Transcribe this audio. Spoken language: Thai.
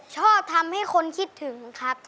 ชอบทำให้คนคิดถึงครับ